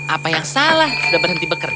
apa yang salah sudah berhenti bekerja